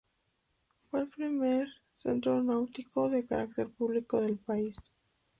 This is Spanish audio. Fue el primer centro náutico de carácter público del país.